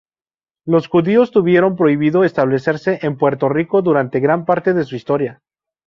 Los judíos tuvieron prohibido establecerse en Puerto Rico durante gran parte de su historia.